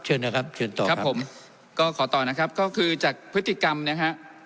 ครับเชิญต่อครับผมก็ขอต่อนะครับก็คือจากพฤติกรรมนะฮะ